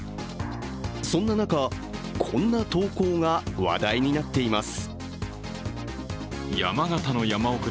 そんな中、こんな投稿が話題になっています。